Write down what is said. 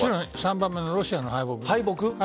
３番目のロシアの敗北。